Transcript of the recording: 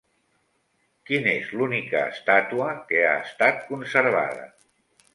Quin és l'única estàtua que ha estat conservada?